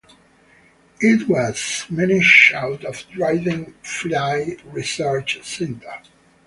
It was managed out of Dryden Flight Research Center.